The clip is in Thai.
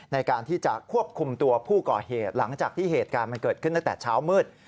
ในการที่จะควบคุมตัวผู้ก่อเหตุหลังจากที่เหตุการณ์มันเกิดขึ้นตั้งแต่เช้ามืด